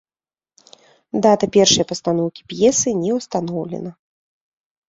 Дата першай пастаноўкі п'есы не ўстаноўлена.